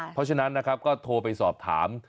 เพราะฉะนั้นนะครับก็โทรไปสอบถาม